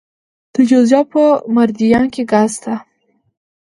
د جوزجان په مردیان کې ګاز شته.